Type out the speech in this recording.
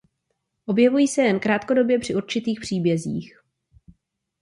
Objevují se jen krátkodobě při určitých příbězích.